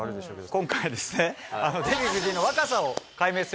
今回ですね。